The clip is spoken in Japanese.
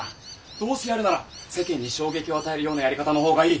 どうせやるなら世間に衝撃を与えるようなやり方の方がいい。